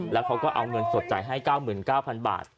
แล้วเขาก็เอาเงินสดจ่ายให้๙๙๐๐บาท